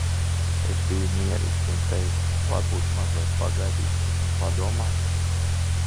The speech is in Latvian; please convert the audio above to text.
Es biju mierīgs. Un teicu, "Varbūt mazliet pagaidīsim un padomāsim?